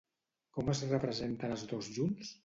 Com es representen els dos junts?